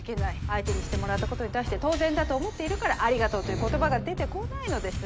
相手にしてもらったことに対して当然だと思っているからありがとうという言葉が出てこないのです。